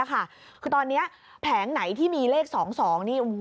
คือตอนนี้แผงไหนที่มีเลข๒๒นี่